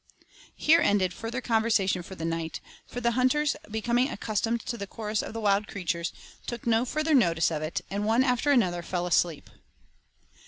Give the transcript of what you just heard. Here ended further conversation for the night, for the hunters becoming accustomed to the chorus of the wild creatures, took no further notice of it, and one after another fell asleep.